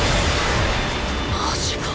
マジか。